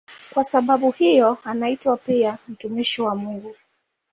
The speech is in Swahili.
Kwa sababu hiyo anaitwa pia "mtumishi wa Mungu".